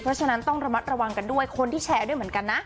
เพราะฉะนั้นต้องระมัดระวังกันด้วยคนที่แชร์ด้วยเหมือนกันนะ